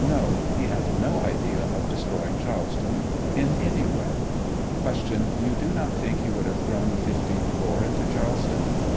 No; he had no idea of destroying Charleston in any way. Q. Tou do not think he would have thrown the 15th corps into Charleston